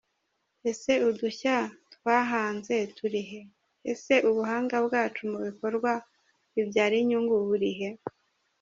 Ese udushya twahanze turi he? Ese ubuhanga bwacu mu bikorwa bibyara inyungu buri he?.